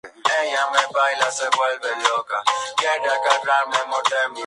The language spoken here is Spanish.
Mientras Foreigner seguía dando conciertos con otro vocalista, Gramm se recuperaba lentamente.